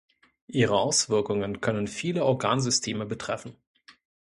Ihre Auswirkungen können viele Organsysteme betreffen.